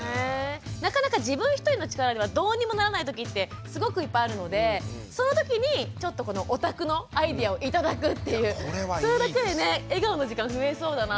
なかなか自分一人の力ではどうにもならない時ってすごくいっぱいあるのでその時にちょっとこのお宅のアイデアを頂くっていうそれだけでね笑顔の時間増えそうだなって思いました。